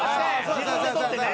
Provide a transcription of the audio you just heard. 自分で取ってね。